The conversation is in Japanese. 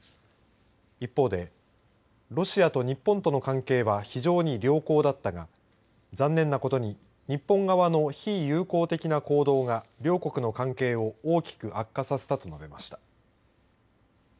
一方で、ロシアと日本との関係は非常に良好だったが残念なことに日本側の非友好的な行動が両国の関係を大きく悪化させたと述べました。